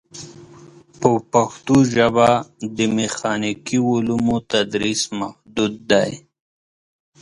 په پښتو ژبه د میخانیکي علومو تدریس محدود دی.